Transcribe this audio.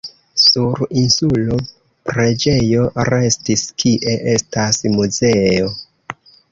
Sur insulo preĝejo restis, kie estas muzeo.